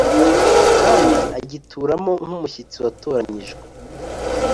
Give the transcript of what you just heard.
kandi agituramo nk’umushyitsi watoranyijwe